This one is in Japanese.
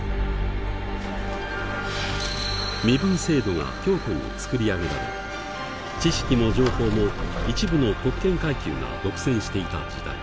身分制度が強固に作り上げられ知識も情報も一部の特権階級が独占していた時代。